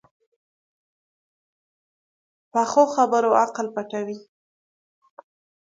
پخو خبرو عقل پټ وي